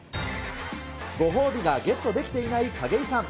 ご褒美がゲットできていない景井さん。